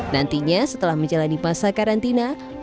nantinya setelah menjalani masa karantina fubao dipindahkan ke indonesia